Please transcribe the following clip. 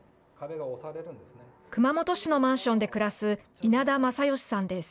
熊本市のマンションで暮らす稲田雅嘉さんです。